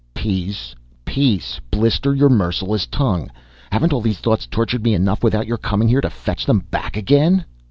peace! peace! Blister your merciless tongue, haven't all these thoughts tortured me enough without your coming here to fetch them back again!"